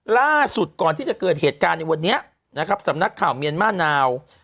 ล่าสุดก่อนที่จะเกิดเหตุการณ์ในวันนี้นะครับสำนักข่าวเมียนมานาว